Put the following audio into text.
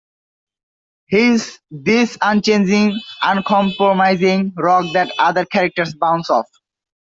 He's this unchanging, uncompromising rock that other characters bounce off.